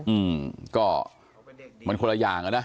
อืมก็มันคนละอย่างอ่ะนะ